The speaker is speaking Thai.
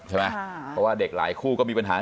ใช่ไหมเพราะว่าเด็กหลายคู่ก็มีปัญหา